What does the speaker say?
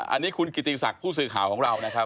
อันนี้คุณกิติศักดิ์ผู้สื่อข่าวของเรานะครับ